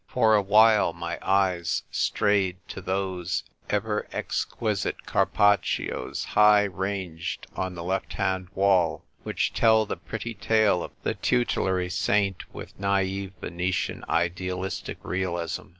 For a while my eyes strayed to those ever exquisite Carpaccios, high ranged on the left hand wall, which tell the pretty tale of the tutelary saint with naive Venetian idealistic realism.